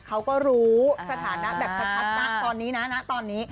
เขาก็รู้สถานะแบบชัดนะตอนนี้นะตอนนี้